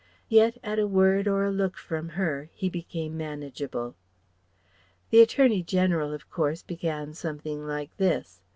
Yet at a word or a look from her he became manageable. The Attorney General of course began something like this.